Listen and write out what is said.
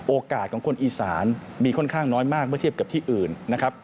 โอกาสของคนอีสานมีค่อนข้างน้อยมากเมื่อเทียบกับที่อื่นนะครับ